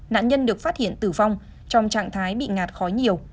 nạn nhân được phát hiện tử vong trong trạng thái bị ngạt khói nhiều